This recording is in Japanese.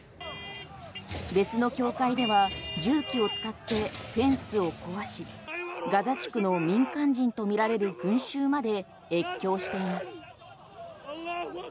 別の境界では重機を使ってフェンスを壊しガザ地区の民間人とみられる群衆まで越境しています。